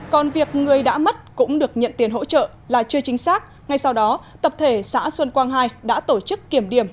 còn việc người đã mất cũng được nhận tiền hỗ trợ là chưa chính xác ngay sau đó tập thể xã xuân quang hai đã tổ chức kiểm điểm